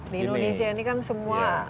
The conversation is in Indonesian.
di indonesia ini kan semua